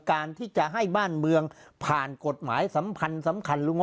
การที่จะให้บ้านเมืองผ่านกฎหมายสัมพันธ์สำคัญ